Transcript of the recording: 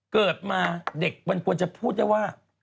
เกิดมาเด็กมันควรจะพูดได้ว่า